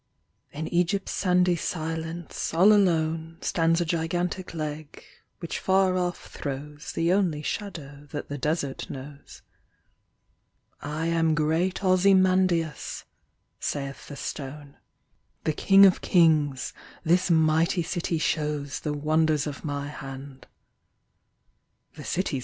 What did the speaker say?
IN Egypt's sandy silence, all alone, Stands a gigantic Leg, which far off throws The only shadow that the Desert knows. " I am great Ozymandias," saith the stone, " The King of kings ; this mighty city shows The wonders of my hand." The city ?